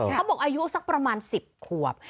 เขาบอกอายุสักประมาณ๑๐ขวบ